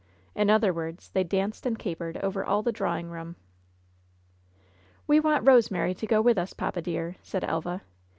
In other words, they danced and capered all over the drawing room. "We want Eosemary to go with us, papa, dear," said Elva.